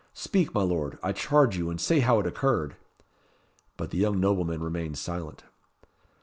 Speak, my Lord, I charge you, and say how it occurred." But the young nobleman remained silent.